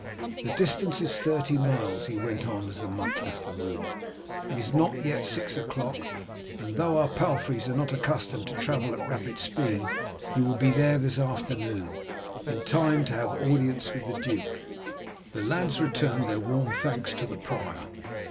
The distance is thirty miles," he went on as the monk left the room. "It is not yet six o'clock, and though our palfreys are not accustomed to travel at rapid speed, you will be there this afternoon in time to have audience with the duke." The lads returned their warm thanks to the prior.